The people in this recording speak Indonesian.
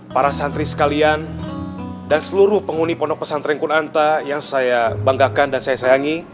para santri sekalian dan seluruh penghuni pondok pesantren kunanta yang saya banggakan dan saya sayangi